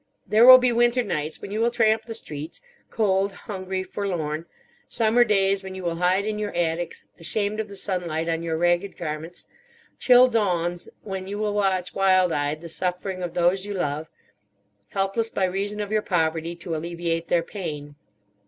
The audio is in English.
There will be winter nights when you will tramp the streets, cold, hungry, forlorn; summer days when you will hide in your attics, ashamed of the sunlight on your ragged garments; chill dawns when you will watch wild eyed the suffering of those you love, helpless by reason of your poverty to alleviate their pain."